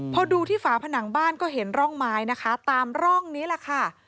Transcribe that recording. พอดูที่ฝาผนังบ้านก็เห็นร่องไม้นะคะตามร่องนี้แหละค่ะ